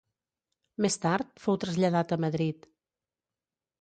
Més tard, fou traslladat a Madrid.